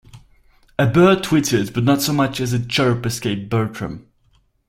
A bird twittered, but not so much as a chirp escaped Bertram.